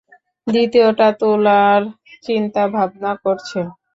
দ্বিতীয়টা তুলার চিন্তা ভাবনা করছে?